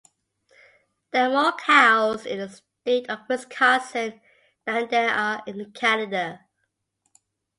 There are more cows in the state of Wisconsin than there are in Canada